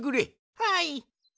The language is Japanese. はい。